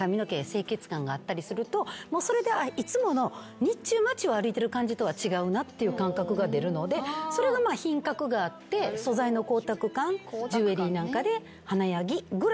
清潔感があったりするとそれでいつもの日中街を歩いてる感じとは違うなっていう感覚が出るのでそれが品格があって素材の光沢感ジュエリーなんかで。